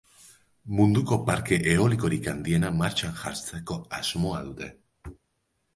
Munduko parke eolikorik handiena martxan jartzeko asmoa dute.